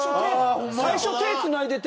最初手つないでて。